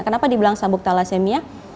kenapa dibilang sabuk thalassemia